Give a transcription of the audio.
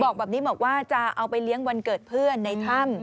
บอกแบบนี้บอกว่าจะเอาไปเลี้ยงวันเกิดเพื่อนในถ้ำ